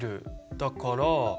だから。